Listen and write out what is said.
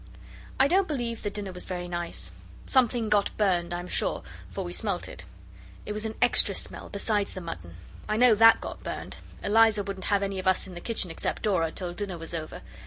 I don't believe the dinner was very nice. Something got burned I'm sure for we smelt it. It was an extra smell, besides the mutton. I know that got burned. Eliza wouldn't have any of us in the kitchen except Dora till dinner was over.